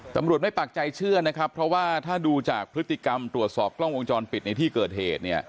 ตำรวจไม่ปากใจเชื่อนะครับเพราะว่าถ้าดูจากพฤติกรรมตรวจสอบกล้องวงจรปิดในที่เกิดเหตุเนี่ย